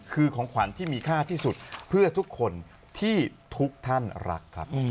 คือของขวัญที่มีค่าที่สุดเพื่อทุกคนที่ทุกท่านรักครับ